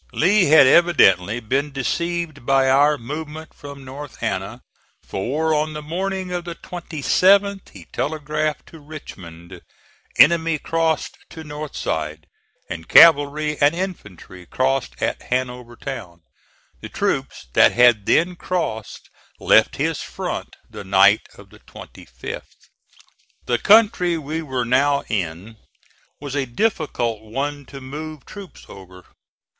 Lee had evidently been deceived by our movement from North Anna; for on the morning of the 27th he telegraphed to Richmond: "Enemy crossed to north side, and cavalry and infantry crossed at Hanover Town." The troops that had then crossed left his front the night of the 25th. The country we were now in was a difficult one to move troops over.